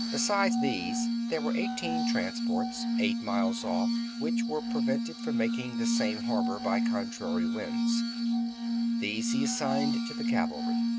Besides these there were eighteen transports, eight miles off, which were prevented from making the same harbour by contrary winds :^ these he assigned to the cavalry.